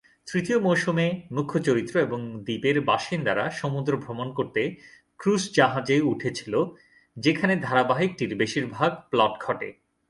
তৃতীয় মৌসুমে, মুখ্য চরিত্র এবং দ্বীপের বাসিন্দারা সমুদ্র ভ্রমণ করতে ক্রুজ জাহাজে উঠেছিল, যেখানে ধারাবাহিকটির বেশিরভাগ প্লট ঘটে।